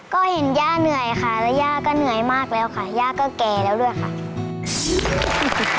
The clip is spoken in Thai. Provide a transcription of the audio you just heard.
ก็เห็นย่าเหนื่อยค่ะแล้วย่าก็เหนื่อยมากแล้วค่ะย่าก็แก่แล้วด้วยค่ะ